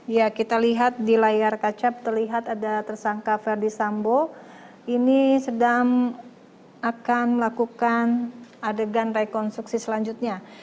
ya kita lihat di layar kaca terlihat ada tersangka verdi sambo ini sedang akan melakukan adegan rekonstruksi selanjutnya